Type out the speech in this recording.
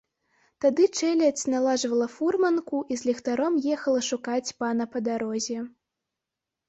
Тады чэлядзь наладжвала фурманку і з ліхтаром ехала шукаць пана па дарозе.